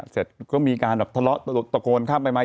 เสร็จก็มีการแบบทะเลาะตะโกนข้ามไปไหม